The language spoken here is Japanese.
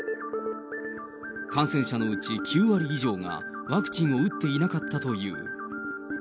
感染者のうち９割以上がワクチンを打っていなかったという。